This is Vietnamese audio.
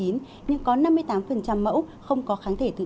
nhưng có năm mươi tám mẫu không có kháng thể thực hiện